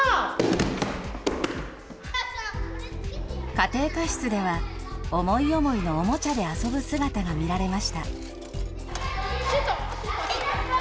家庭科室では思い思いのおもちゃで遊ぶ姿が見られました。